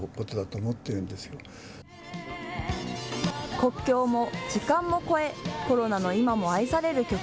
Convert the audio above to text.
国境も時間も越え、コロナの今も愛される曲。